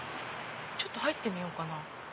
ちょっと入ってみようかな。